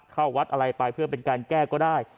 เข้าวัดอะไรไปเพื่อเป็นการแก้ก็ได้